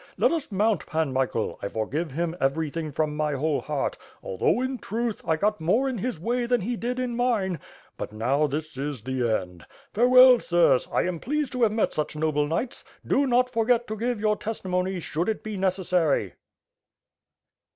Let us mount, Pan Michael, I forgive him everything from my whole heart, although, in truth, I got more in his way than he did in mine. But now, this is the end. Farewell, sirs, I am pleased to have met such noble knights. Do not forget to give your testi mony should it be necessary."